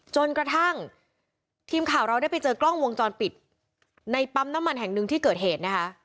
จนกระทั่งทีมข่าวเราได้ไปเจอกล้องวงจรปิดในปั๊มน้ำมันแห่งหนึ่งที่เกิดเหตุนะคะ